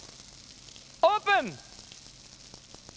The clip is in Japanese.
オープン！